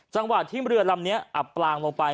จังหวะที่เรือลำนี้อับปลางลงไป